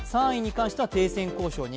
３位に関しては停戦交渉